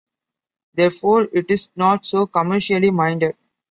Therefore, it is not so commercially minded.